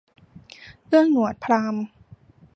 เอื้องหนวดพราหมณ์